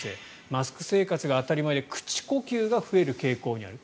マスク生活が当たり前で口呼吸が増える傾向にある。